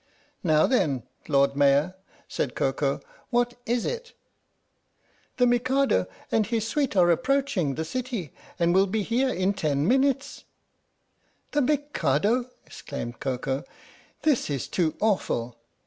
" Now then, Lord Mayor," said Koko, " what is it?" "The Mikado and his suite are approaching the city and will be here in ten minutes !" 86 THE STORY OF THE MIKADO 41 The Mikado!" exclaimed Koko. "This is too awful!"